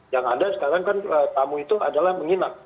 yang ada sekarang kan tamu itu adalah menginap